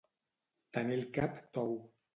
Tenir el cap tou.